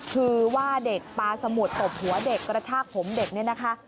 คือว่าเด็กปลาสมุดตบหัวเด็กกระชากผมเด็กเนี่ยนะคะ